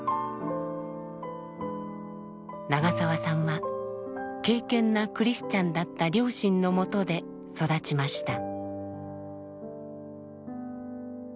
長澤さんは敬けんなクリスチャンだった両親のもとで育ちました。